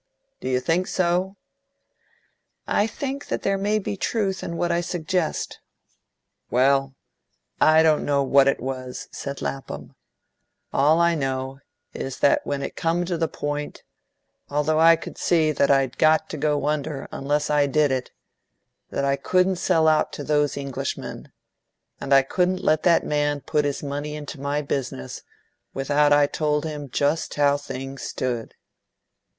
"Do you think so?" "I think that there may be truth in what I suggest." "Well, I don't know what it was," said Lapham; "all I know is that when it came to the point, although I could see that I'd got to go under unless I did it that I couldn't sell out to those Englishmen, and I couldn't let that man put his money into my business without I told him just how things stood."